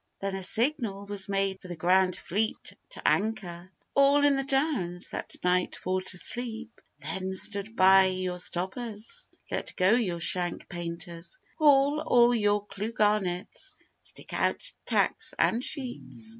Then a signal was made for the grand fleet to anchor All in the Downs, that night for to sleep; Then stand by your stoppers, let go your shank painters, Haul all your clew garnets, stick out tacks and sheets.